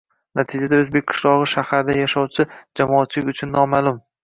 Natijada o‘zbek qishlog‘i shaharda yashovchi jamoatchilik uchun noma’lum